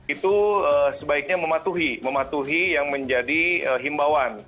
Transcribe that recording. itu sebaiknya mematuhi yang menjadi himbawan